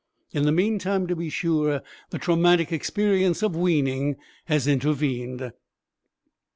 In the meantime, to be sure, the traumatic experience of weaning has intervened.